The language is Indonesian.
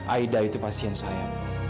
aida itu pasien saya